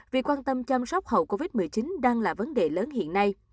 việc quan tâm chăm sóc hậu covid một mươi chín đang là vấn đề lớn hiện nay